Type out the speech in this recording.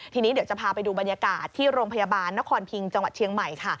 ทีนี้เดี๋ยวจะพาไปดูบรรยากาศที่โรงพยาบาลนครพิงจังหวัดเชียงใหม่ค่ะ